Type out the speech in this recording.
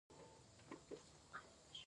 د رښتیني مینې مثال په نړۍ کې کم دی.